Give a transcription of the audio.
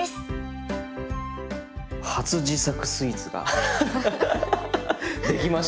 初自作スイーツができました。